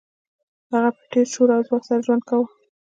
هغه په ډیر شور او ځواک سره ژوند کاوه